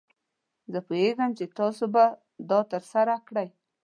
زه پوهیږم چې تاسو به دا ترسره کړئ.